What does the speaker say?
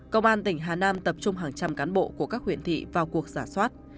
công an tỉnh hà nam tập trung hàng trăm cán bộ của các huyện thị vào cuộc giả soát